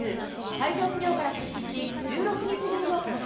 体調不良から復帰し、１６日ぶりの登板。